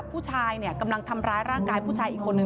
ผู้ชายเนี่ยกำลังทำร้ายร่างกายผู้ชายอีกคนนึง